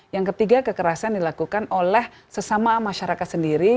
yang ketiga kekerasan dilakukan oleh sesama masyarakat sendiri